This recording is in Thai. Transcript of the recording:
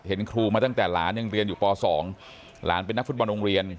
ครูมาตั้งแต่หลานยังเรียนอยู่ป๒หลานเป็นนักฟุตบอลโรงเรียน